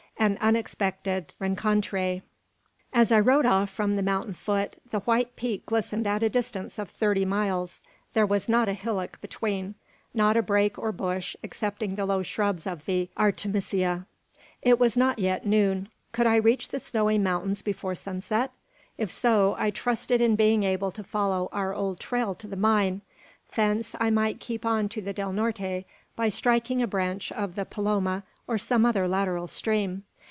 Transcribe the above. AN UNEXPECTED RENCONTRE. As I rode off from the mountain foot, the white peak glistened at a distance of thirty miles. There was not a hillock between: not a brake or bush, excepting the low shrubs of the artemisia. It was not yet noon. Could I reach the snowy mountain before sunset? If so, I trusted in being able to follow our old trail to the mine. Thence, I might keep on to the Del Norte, by striking a branch of the Paloma or some other lateral stream.